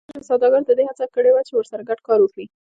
ډېرو سوداګرو د دې هڅه کړې وه چې ورسره ګډ کار وکړي